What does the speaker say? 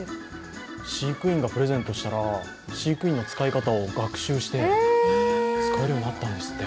飼育員がプレゼントしたら、飼育員の使い方を学習して使えるようになったんですって。